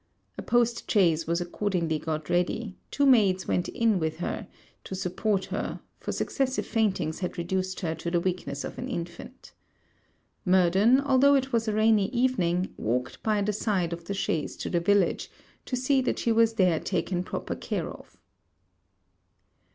A post chaise was accordingly got ready; two maids went in it with her, to support her, for successive faintings had reduced her to the weakness of an infant. Murden, although it was a rainy evening, walked by the side of the chaise to the village, to see that she was there taken proper care of.